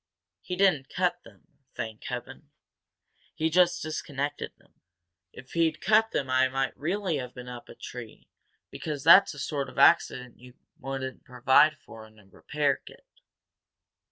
He didn't cut them, thank Heaven! He just disconnected them. If he'd cut them I might really have been up a tree because that's the sort of accident you wouldn't provide for in a repair kit."